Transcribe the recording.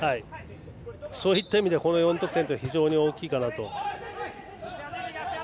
そういった意味では４得点は非常に大きいかなと。